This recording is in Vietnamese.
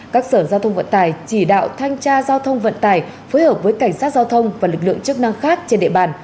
các sở giao thông vận tài chỉ đạo thanh tra giao thông vận tải phối hợp với cảnh sát giao thông và lực lượng chức năng khác trên địa bàn